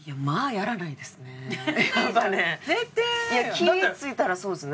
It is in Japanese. やっぱね気ぃ付いたらそうですね。